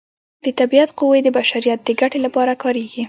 د طبیعت قوې د بشریت د ګټې لپاره کاریږي.